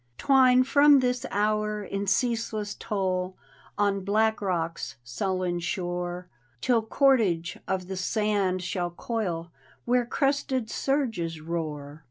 Twine from this hour, in ceaseless toll, On Blackrock's sullen shore: Till cordage of the sand shall coil Where crested surges roar.